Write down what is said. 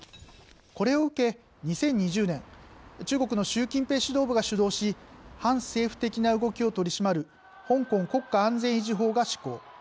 これを受け、２０２０年中国の習近平指導部が主導し反政府的な動きを取り締まる香港国家安全維持法が施行。